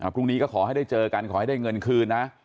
พรุ่งนี้ก็ขอให้ได้เจอกันขอให้ได้เงินคืนนะ